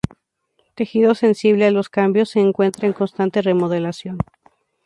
Tejido sensible a los cambios, se encuentra en constante remodelación.